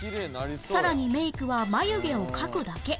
さらにメイクは眉毛を描くだけ